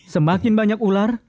semakin banyak ular